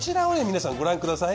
皆さんご覧ください。